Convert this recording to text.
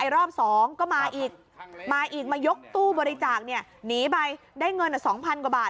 รอบสองก็มาอีกมายกตู้บริจาคหนีไปได้เงินสองพันกว่าบาท